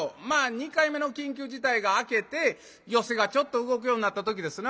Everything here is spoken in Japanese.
２回目の緊急事態が明けて寄席がちょっと動くようになった時ですな。